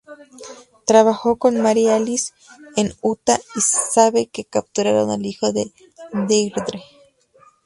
Trabajó con Mary Alice en Utah y sabe que capturaron al hijo de Deirdre.